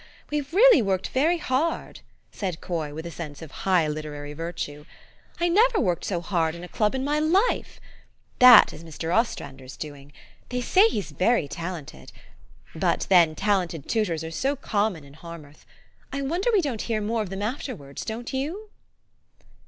We've really worked very hard," said Coy, with a sense of high literary virtue. "I never worked so hard in a club in my life. That is Mr. Ostrander's doing. They say he's very talented. But, then, talented tutors are so common in Harmouth ! I wonder we don't hear more of them afterwards, don't you?"